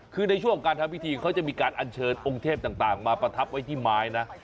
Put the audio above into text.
คือในช่วงการทำพิธีเขาจะมีการอัญเชิญองค์เทพต่างมาประทับไว้ที่ไม้นะ